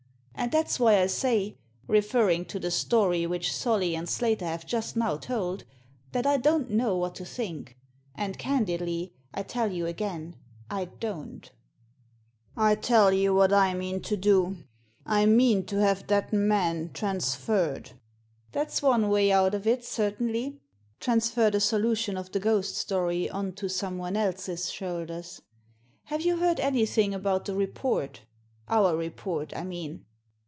And that's why I say, referring to the story which Solly and Slater have just now told, that I don't know what to think ; and candidly, I tell you again, I don't" '* I tell you what I mean to do ; I mean to have that man transferred. " That's one way out of it, certainly — transfer thfe solution of the ghost story on to someone else's shoulders. Have you heard anything about the report — our report I mean?"